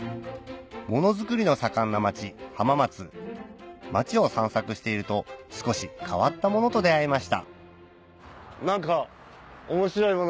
物作りの盛んな街浜松街を散策していると少し変わったものと出合いました何か。